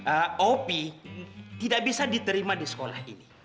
eh opi tidak bisa diterima di sekolah ini